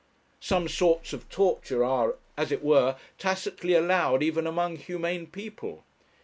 Some sorts of torture are, as it were, tacitly allowed even among humane people.